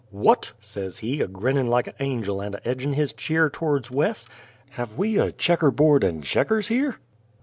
"What!" says he, a grinnin' like a' angel and a edgin' his cheer to'rds Wes, "have we a checker board and checkers here?"